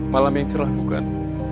malam yang cerah bukan